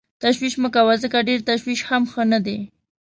تشویش مه کوه ځکه ډېر تشویش هم ښه نه دی.